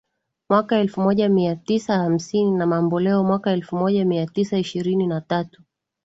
mwaka elfumoja miatisa hamsini na Mamboleo mwaka elfumoja miatisa ishirini na tatu